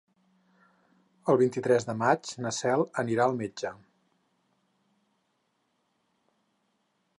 El vint-i-tres de maig na Cel anirà al metge.